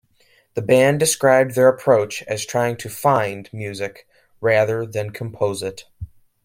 The band described their approach as trying to "find" music rather than "compose" it.